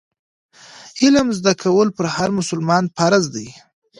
علم زده کول پر هر مسلمان فرض دي.